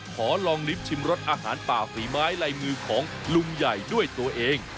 ขอลองลิ้มชิมรสอาหารป่าฝีไม้ลายมือของลุงใหญ่ด้วยตัวเอง